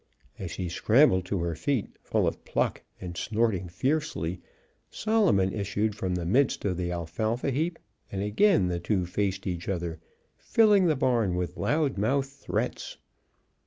As she scrambled to her feet, full of pluck and snorting fiercely, Solomon issued from the midst of the alfalfa heap, and again the two faced each other, filling the barn with loudmouthed threats.